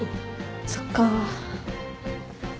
そっか。